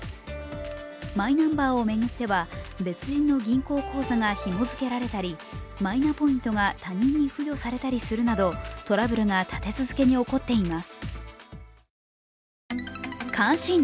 マイナンバーを巡っては別人の銀行口座がひも付けられたりマイナポイントが他人に付与されたりするなど、トラブルが立て続けに起こっています。